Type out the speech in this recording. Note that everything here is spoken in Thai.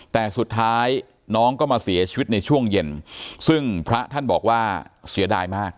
แต่สุดท้ายน้องก็มาเสียชีวิตในช่วงเย็นซึ่งพระท่านบอกว่าเสียดายมาก